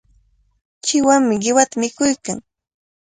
Chiwami qiwata mikuykan.